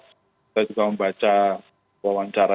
kita juga membaca wawancara